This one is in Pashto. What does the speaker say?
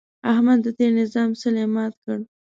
احمد د تېر نظام څلی مات کړ.